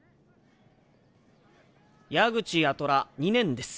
矢口八虎２年です。